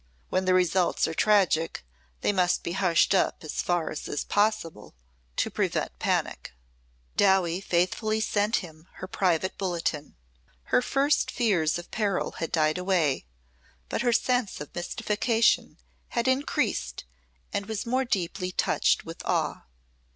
"When the results are tragic they must be hushed up as far as is possible to prevent panic." Dowie faithfully sent him her private bulletin. Her first fears of peril had died away, but her sense of mystification had increased and was more deeply touched with awe.